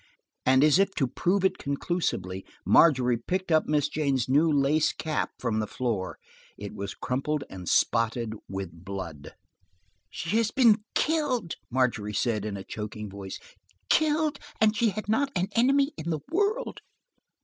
And as if to prove it conclusively, Margery picked up Miss Jane's new lace cap from the floor. It was crumpled and spotted with blood. "She's gone! She's been run off with!" "She has been killed," Margery said, in a choking voice. "Killed, and she had not an enemy in the world